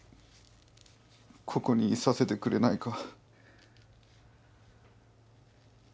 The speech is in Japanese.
ここにいさせてくれないか？